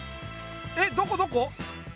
えっどこどこ？